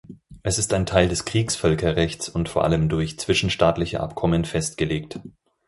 Es ist ein Teil des Kriegsvölkerrechts und vor allem durch zwischenstaatliche Abkommen festgelegt.